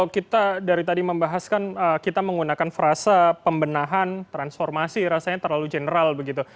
kita dari tadi membahaskan kita menggunakan frase pembenahan transformasi rasanya terlalu general begitu